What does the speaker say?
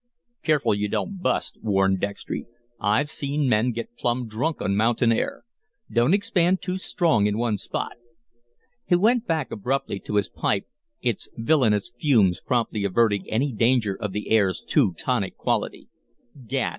"Careful you don't bust," warned Dextry. "I've seen men get plumb drunk on mountain air. Don't expand too strong in one spot." He went back abruptly to his pipe, its villanous fumes promptly averting any danger of the air's too tonic quality. "Gad!